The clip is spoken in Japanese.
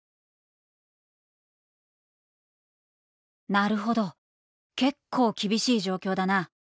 「なるほど結構厳しい状況だな。